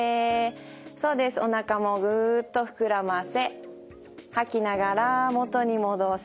そうですおなかもぐっと膨らませ吐きながら元に戻す。